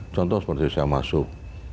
contoh seperti saya masuk